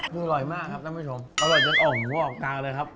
อร่อยมากครับท่านผู้ชมอร่อยจนออกหูออกกลางเลยครับ